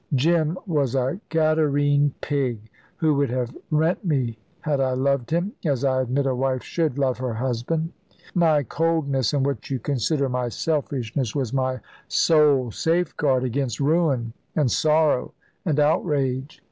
Jim was a Gadarene pig, who would have rent me had I loved him, as I admit a wife should love her husband. My coldness, and what you consider my selfishness, was my sole safeguard against ruin and sorrow and outrage.